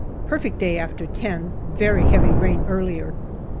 Perfect day after ten ; very heavy rain earlier.